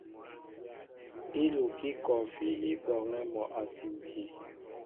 Ílukí kɔɔfí i bɔɔŋɛ́ mɔ a sinti.